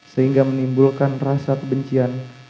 sehingga menimbulkan rasa kebencian